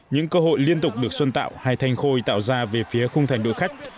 những cơ hội liên tục được xuân tạo hay thanh khôi tạo ra về phía khung thành đội khách